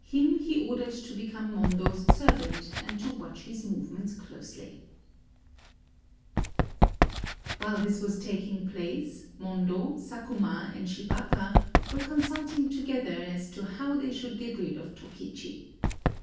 Him he ordered to become Mondo's servant and to watch his movements closely. 338 LONG SPEARS OR SHORT SPEARS While this was taking place, Mondo, Sakuma, and Shibata were consulting together as to how they should get rid of Tokichi.